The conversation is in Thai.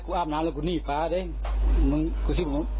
กูอาบน้ำแล้วกูนีบฟ้าเด้ยมึงก็ซิ่งมึง